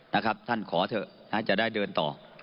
นะครับท่านขอเถอะจะได้เดินต่อ